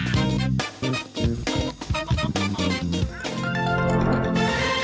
สวัสดีครับ